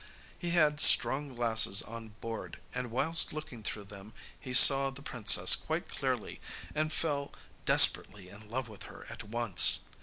He had strong glasses on board, and whilst looking through them he saw the princess quite clearly, and fell desperately in love with her at once.